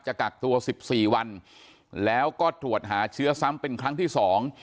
กักตัวสิบสี่วันแล้วก็ตรวจหาเชื้อซ้ำเป็นครั้งที่สอง